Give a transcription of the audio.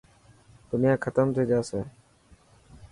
دنيا ختم ٿي جاسي.